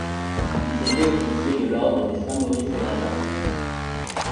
Il est fait officier de l'ordre des Saints-Maurice-et-Lazare.